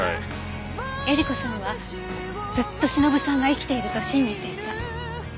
えり子さんはずっとしのぶさんが生きていると信じていた。